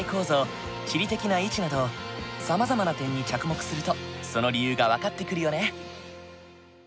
地理的な位置などさまざまな点に着目するとその理由が分かってくるよね。